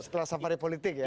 setelah safari politik ya